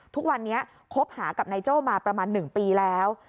ทุกวันนี้คบหากับนายโจ้มาประมาณ๑ปีแล้ว